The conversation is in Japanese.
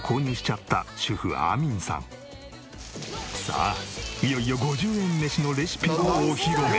さあいよいよ５０円メシのレシピをお披露目！